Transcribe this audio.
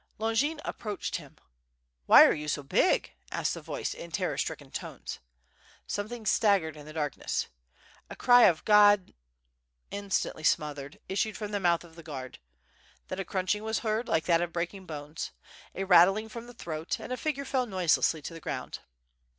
Longin approached him. "Why are you so big?" asked the voice, in terror stricken tones. Something staggered in the darkness. A cry of "God " instantly smothered, issued from the mouth of the guard. Then a crunching was heard like that of breaking bones, a rattling from the throat, and a figure fell noiselessly to the ground.